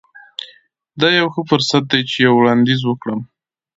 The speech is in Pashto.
دا یو ښه فرصت دی چې یو وړاندیز وکړم